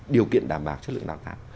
điều kiện đảm bảo chất lượng đào tạo